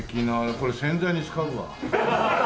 これ宣材に使うわ。